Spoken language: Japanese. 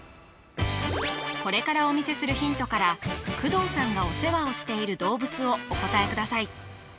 これからお見せするヒントから工藤さんがお世話をしている動物をお答えください